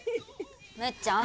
むっちゃん